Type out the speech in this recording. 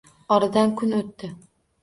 Oradan kun o’tdi.